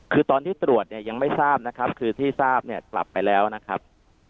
คือตอนที่ตรวจเนี่ยยังไม่ทราบนะครับคือที่ทราบเนี่ยกลับไปแล้วนะครับ